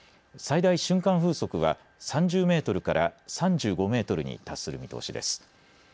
最大瞬間風速は３０メートルから３５メートルに達する見通しです。